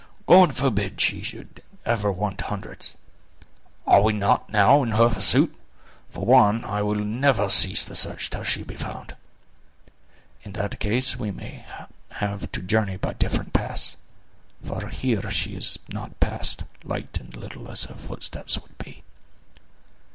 "God forbid she should ever want hundreds! Are we not now in her pursuit? For one, I will never cease the search till she be found." "In that case we may have to journey by different paths; for here she has not passed, light and little as her footsteps would be."